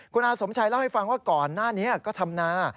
คุณอาสมชัยเล่าให้ฟังว่าก่อนหน้านี้ก็ทำนา